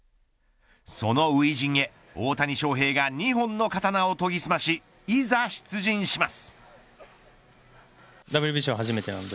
その初陣へ、大谷翔平が２本の刀を研ぎ澄ましいざ出陣します。